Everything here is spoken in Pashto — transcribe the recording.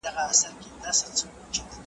بې هدفه مسافر یمه روان یم .